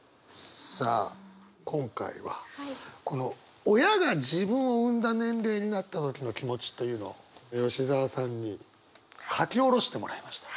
さあ今回はこの親が自分を産んだ年齢になった時の気持ちというのを吉澤さんに書き下ろしてもらいました。